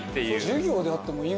授業であってもいい。